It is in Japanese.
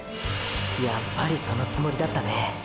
やっぱりそのつもりだったね。